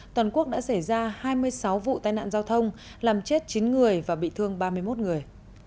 toàn quốc đã xảy ra hai mươi sáu vụ tai nạn giao thông làm chết chín người và bị thương ba mươi một người